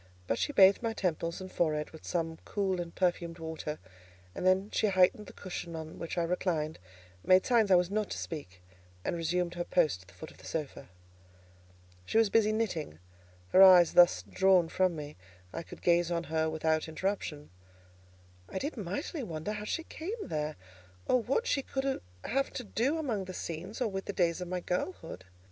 But she bathed my temples and forehead with some cool and perfumed water, and then she heightened the cushion on which I reclined, made signs that I was not to speak, and resumed her post at the foot of the sofa. She was busy knitting; her eyes thus drawn from me, I could gaze on her without interruption. I did mightily wonder how she came there, or what she could have to do among the scenes, or with the days of my girlhood.